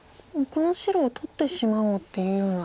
この白を取ってしまおうっていうような。